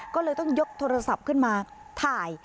ก็เลยต้องยกโทรศัพท์ขึ้นมาถ่าย